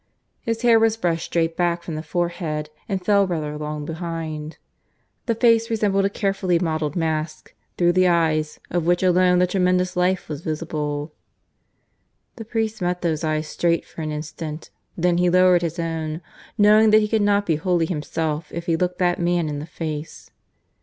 His hair was brushed straight back from the forehead, and fell rather long behind. The face resembled a carefully modelled mask, through the eyes of which alone the tremendous life was visible. The priest met those eyes straight for an instant, then he lowered his own, knowing that he could not be wholly himself if he looked that man in the face.